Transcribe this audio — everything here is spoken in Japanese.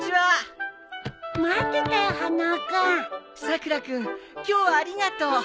さくら君今日はありがとう。